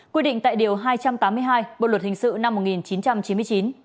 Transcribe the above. quy định tại điều hai trăm tám mươi hai bộ luật hình sự năm một nghìn chín trăm chín mươi chín